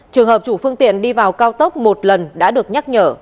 trường hợp chủ phương tiện đi vào cao tốc một lần đã được nhắc nhở